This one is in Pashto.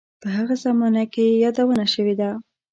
په هغه زمانه کې یې یادونه شوې ده.